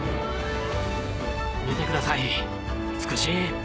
見てください美しい！